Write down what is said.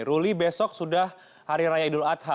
ruli besok sudah hari raya idul adha